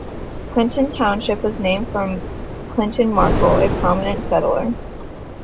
Clinton Township was named for Clinton Markell, a prominent settler.